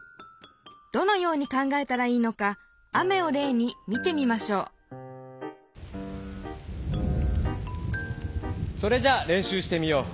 どのように考えたらいいのか「雨」をれいに見てみましょうそれじゃあれんしゅうしてみよう。